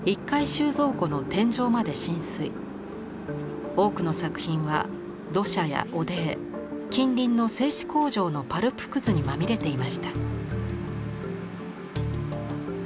収蔵庫の天井まで浸水多くの作品は土砂や汚泥近隣の製紙工場のパルプくずにまみれていました。